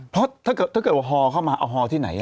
เพราะถ้าเกิดว่าฮอลเข้ามาเอาฮอลที่ไหน